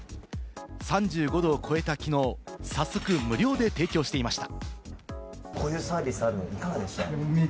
３５度を超えた昨日、早速、無料で提供していました。